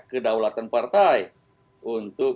kedaulatan partai untuk